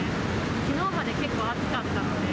きのうまで結構暑かったので。